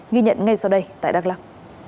ghi nhận ngay sau đây tại đắk lắk